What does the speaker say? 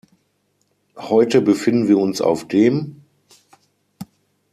Heute befinden wir uns auf dem .